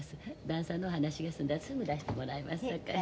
旦さんの話が済んだらすぐ出してもらいますさかい。